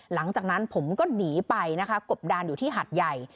หลังจากนั้นผมก็หนีไปนะคะกบดานอยู่ที่หัดใหญ่